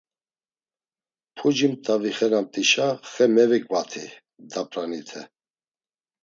Puci mt̆a vixenamt̆işa xe meviǩvati dap̌ranite.